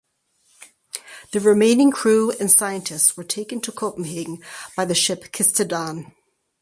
The remaining crew and scientists were taken to Copenhagen by the ship "Kista Dan".